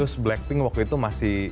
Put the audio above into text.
blackpink waktu itu masih